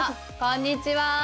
こんにちは！